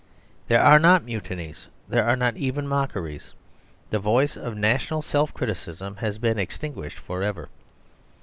There are not mutinies; there are not even mockeries; the voice of national self criticism has been extinguished forever.